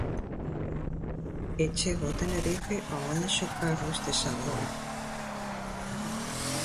E chega o Tenerife ao Anxo Carro este sábado.